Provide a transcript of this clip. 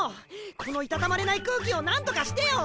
このいたたまれない空気をなんとかしてよ！